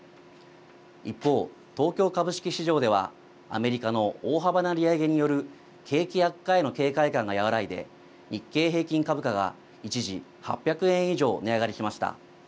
一方、東京株式市場ではアメリカの大幅な利上げによる景気悪化への警戒感が和らいで日経平均株価が一時８００円以上値上がりしました。